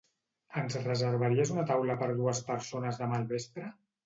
Ens reservaries una taula per dues persones demà al vespre?